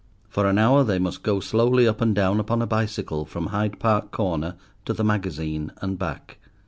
For an hour they must go slowly up and down upon a bicycle from Hyde Park Corner to the Magazine and back.